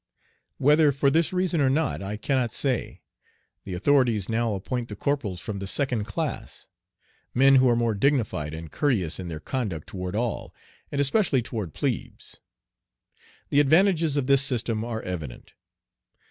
Whether for this reason or not I cannot say, the authorities now appoint the corporals from the second class, men who are more dignified and courteous in their conduct toward all, and especially toward plebes. The advantages of this system are evident.